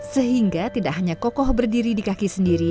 sehingga tidak hanya kokoh berdiri di kaki sendiri